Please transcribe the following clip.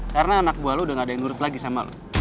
karena anak buah lo udah gak ada yang nurut lagi sama lo